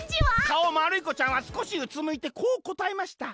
「かおまるいこちゃんはすこしうつむいてこうこたえました。